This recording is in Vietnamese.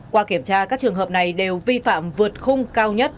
qua kiểm tra các trường hợp này đều vi phạm vượt khung cao nhất